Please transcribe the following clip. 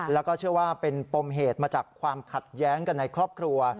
แล้วก็เชื่อว่าเป็นปมเหตุมาจากความขัดแย้งกันในครอบครัว